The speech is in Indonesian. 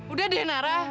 udah deh nara